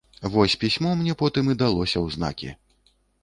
Вось пісьмо мне потым і далося ў знакі.